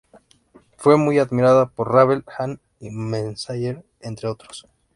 Fue muy admirada por Ravel, Hahn y Messager, entre otros.